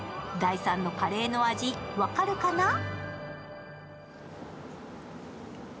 第３のカレーの味、分かるかな？